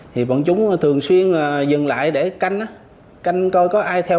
thì bọn chúng thường xuyên dừng lại để canh canh coi có ai theo hay không